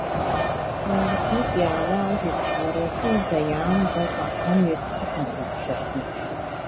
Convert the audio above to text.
Уи иҟнытә иаауа ажәабжь уара уҟынӡа иаамгакәа амҩа сзықәымлеит саргьы.